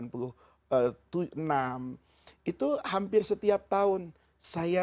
pembeli pembeli yang sudah berjaya